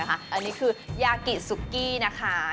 อันนี้คือยากิซุกกี้นะคะ